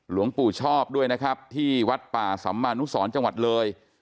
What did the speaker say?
หลวงปู่ชอบด้วยนะครับที่วัดป่าสัมมานุสรจังหวัดเลย